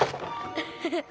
フフフッ！